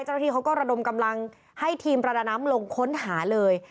เจ้าหน้าที่เขาก็ระดมกำลังให้ทีมประดาน้ำลงค้นหาเลย